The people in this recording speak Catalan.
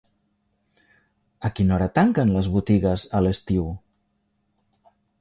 A quina hora tanquen les botigues a l'estiu?